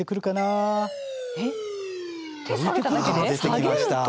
あ出てきました。